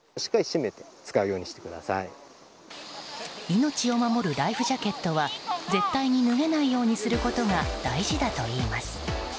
命を守るライフジャケットは絶対に脱げないようにすることが大事だといいます。